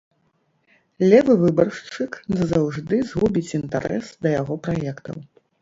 Левы выбаршчык назаўжды згубіць інтарэс да яго праектаў.